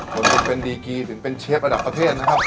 ผมถึงเป็นดีกีถึงเป็นเชฟระดับประเทศนะครับ